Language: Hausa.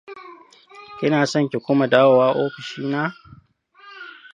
Kina son ki kuma dawowa ofishi na?